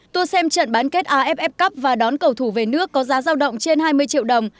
tour xem trận bán kết aff cup và đón cầu thủ về nước có giá giao động trên hai mươi triệu đồng